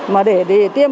mà để tiêm